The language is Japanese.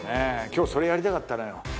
今日それやりたかったのよ